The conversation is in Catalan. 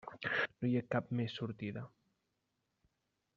No hi ha cap més sortida.